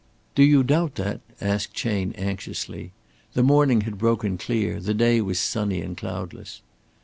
"Do you doubt that?" asked Chayne, anxiously. The morning had broken clear, the day was sunny and cloudless.